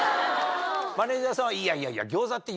マネージャーさんはいやいやいや。